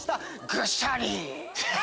ぐしゃり